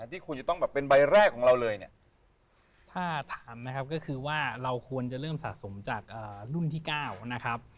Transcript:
ที่ควรจะต้องเป็นใบแรกของเราเลยเนี่ย